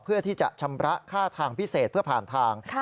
เพื่อที่จะชำระค่าทางพิเศษเพื่อผ่านทาง